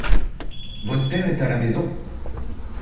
Votre père est à la maison ?